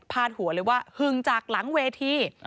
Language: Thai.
หัวเลยว่าหึงจากหลังเวที